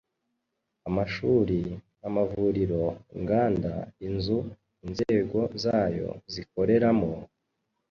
amashuri, amavuriro, inganda, inzu inzego zayo zikoreramo,